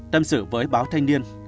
tâm sự với báo thanh niên